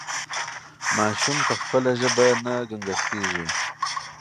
ماشوم په خپله ژبه نه ګنګس کېږي.